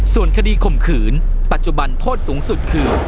ส่วนคดีข่มขืนปัจจุบันโทษสูงสุดคือ